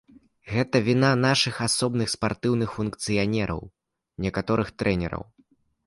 Гэта віна нашых асобных спартыўных функцыянераў, некаторых трэнераў.